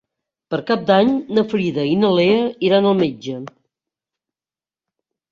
Per Cap d'Any na Frida i na Lea iran al metge.